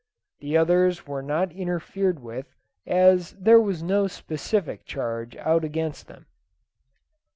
The others were not interfered with, as there was no specific charge out against them.